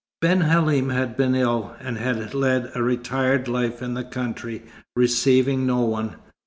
Ben Halim had been ill, and had led a retired life in the country, receiving no one.